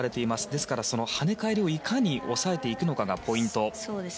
ですから、はね返りをいかに抑えるかがポイント。